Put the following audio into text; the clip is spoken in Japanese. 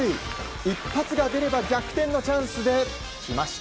一発が出れば逆転のチャンスできました。